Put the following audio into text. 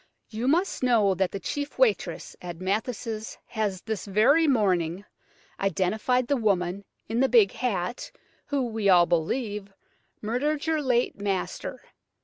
"You must know that the chief waitress at Mathis' has, this very morning, identified the woman in the big hat who, we all believe, murdered your late master.